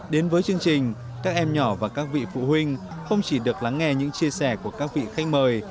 đến với chương trình các em nhỏ và các vị phụ huynh không chỉ được lắng nghe những chia sẻ của các vị khách mời